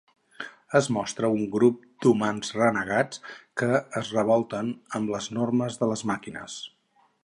Es mostra un grup d'humans renegats que es revolten amb les normes de les màquines.